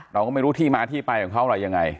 เราก็ไม่รู้ที่มาที่ไปของเขาอะไรยังไง